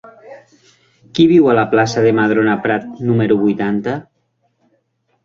Qui viu a la plaça de Madrona Prat número vuitanta?